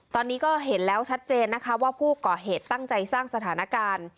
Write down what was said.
ตอนนี้ก็เห็นแล้วชัดเจนนะคะว่าผู้ก่อเหตุตั้งใจสร้างสถานการณ์